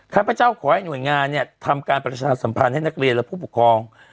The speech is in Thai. ข้าพเจ้าขอให้หน่วยงานเนี่ยทำการประชาสัมพันธ์ให้นักเรียนและผู้ปกครอง